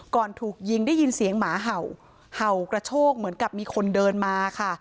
ถูกยิงได้ยินเสียงหมาเห่าเห่ากระโชกเหมือนกับมีคนเดินมาค่ะ